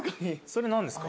・それ何ですか？